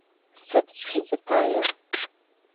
Sıd şsuzıfaêr?